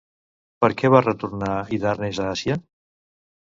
Per què va retornar Hidarnes a Àsia?